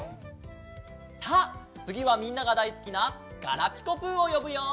さあつぎはみんながだいすきなガラピコぷをよぶよ。